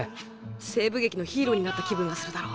西部劇のヒーローになった気分がするだろ？